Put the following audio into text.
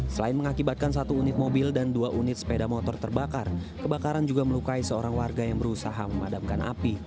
selain mengakibatkan satu unit mobil dan dua unit sepeda motor terbakar kebakaran juga melukai seorang warga yang berusaha memadamkan api